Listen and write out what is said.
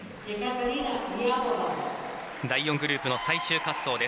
第４グループの最終滑走。